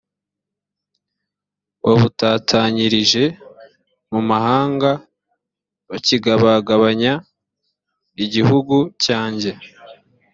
babutatanyirije mu mahanga bakigabagabanya igihugu cyanjye